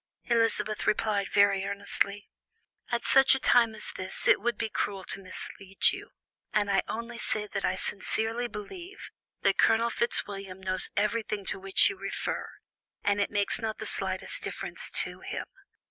Elizabeth replied very earnestly: "At such a time as this, it would be cruel to mislead you, and I only say what I sincerely believe, that Colonel Fitzwilliam knows everything to which you refer, and it makes not the smallest difference to him.